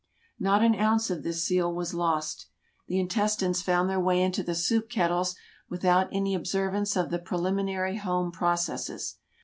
Not an ounce of this seal was lost. The intestines found 170 TRAVELERS AND EXPLORERS their way into the soup kettles without any observance of the preliminary home processes.